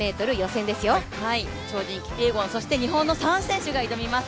超人キピエゴン、日本の３選手が挑みます。